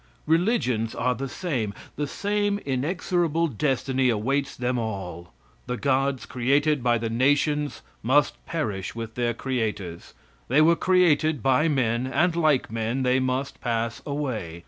Religions are the same. The same inexorable destiny awaits them all. The gods created by the nations must perish with their creators. They were created by men, and like men, they must pass away.